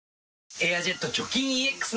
「エアジェット除菌ＥＸ」